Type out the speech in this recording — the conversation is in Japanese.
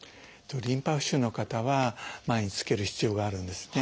リンパ浮腫の方は毎日着ける必要があるんですね。